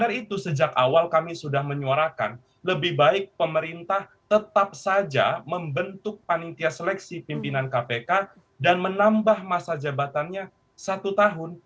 karena itu sejak awal kami sudah menyuarakan lebih baik pemerintah tetap saja membentuk panitia seleksi pimpinan kpk dan menambah masa jabatannya satu tahun